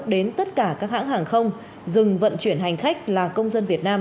đến tất cả các hãng hàng không dừng vận chuyển hành khách là công dân việt nam